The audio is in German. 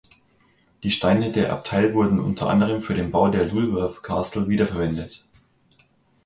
Die Steine der Abteil wurden unter anderem für den Bau von Lulworth Castle wiederverwendet.